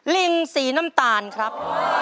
ลิงสีน้ำตาลครับ